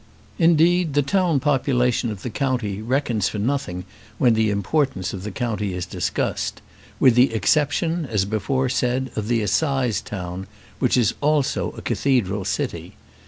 Indeed, the town population of the county reckons for nothing when the importance of the county is discussed, with the exception, as before said, of the assize town, which is also a cathedral city.